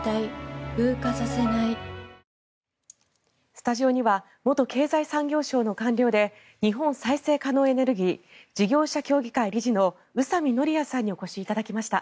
スタジオには元経済産業省の官僚で日本再生可能エネルギー事業者協議会理事の宇佐美典也さんにお越しいただきました。